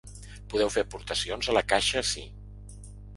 Podeu fer aportacions a la caixa ací.